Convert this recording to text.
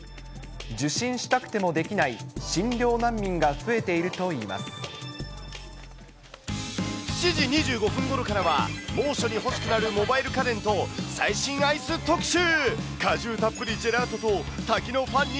受診したくてもできない診療７時２５分ごろからは、猛暑に欲しくなるモバイル家電と、最新アイス特集。